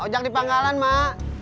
ojak di pangkalan mak